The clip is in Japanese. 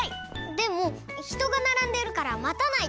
でもひとがならんでるからまたないとね。